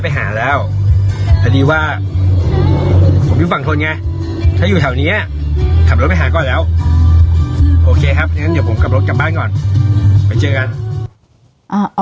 โอเคครับเดี๋ยวผมกลับรถกลับบ้านก่อนไปเจอกัน